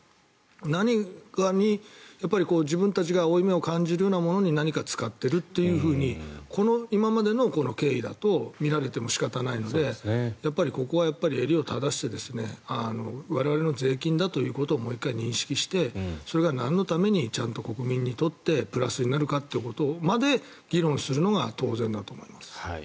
何か自分たちが負い目を感じるようなものに使ってるとこの今までの経緯だと見られても仕方ないのでここは襟を正して我々の税金だということをもう一回認識してそれがなんのためにちゃんと国民にとってプラスになるかということまで議論するのが当然だと思います。